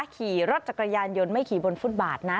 ขี่รถจักรยานยนต์ไม่ขี่บนฟุตบาทนะ